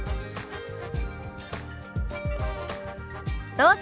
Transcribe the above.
どうぞ。